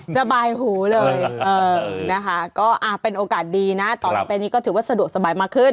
สบายหูเลยนะคะก็เป็นโอกาสดีนะต่อไปนี้ก็ถือว่าสะดวกสบายมากขึ้น